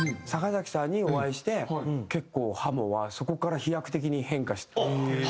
坂崎さんにお会いして結構ハモはそこから飛躍的に変化。